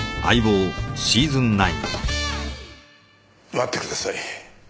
待ってください。